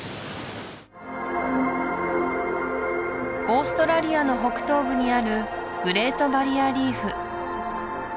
オーストラリアの北東部にあるグレート・バリア・リーフ